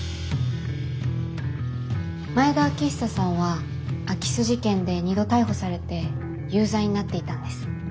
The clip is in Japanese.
前田秋寿さんは空き巣事件で２度逮捕されて有罪になっていたんです。